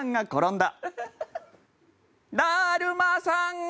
だーるまさんが。